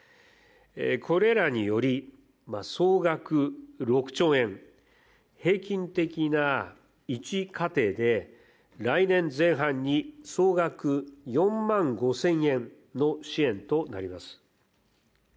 これらにより総額６兆円、平均的な１家庭で来年前半に総額４万５０００円の支援となります。